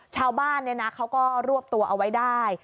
ชาวบ้านเขาก็รวบตัวเอาไว้ได้